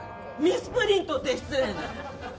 ミスプリントって失礼な！